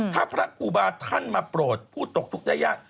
ถ้าพระครูบาท่านมาโปรดผู้ตกทุกข์ได้ยาก